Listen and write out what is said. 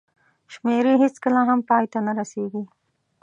شمېرې هېڅکله هم پای ته نه رسېږي.